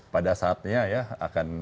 pada saatnya ya akan